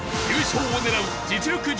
優勝を狙う実力